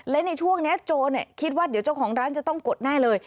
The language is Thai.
และในช่วงนี้โจรคิดว่าเดี๋ยวเจ้าของร้านจะต้องกดแน่เลย